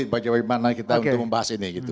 bapak jawabin mana kita untuk membahas ini gitu